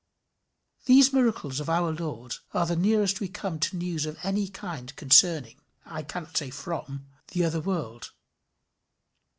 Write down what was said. These miracles of our Lord are the nearest we come to news of any kind concerning I cannot say from the other world.